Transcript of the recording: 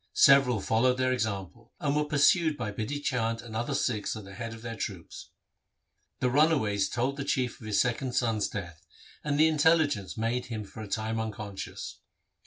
Several followed their example, and were pursued by Bidhi Chand and other Sikhs at the head of their troops. The runaways told the Chief of his second son's death, and the intelligence made him for a time unconscious.